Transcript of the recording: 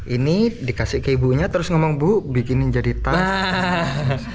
ini dikasih ke ibunya terus ngomong bu bikinin jadi tas